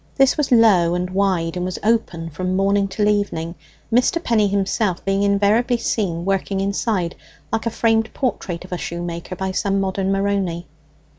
This was low and wide, and was open from morning till evening, Mr. Penny himself being invariably seen working inside, like a framed portrait of a shoemaker by some modern Moroni.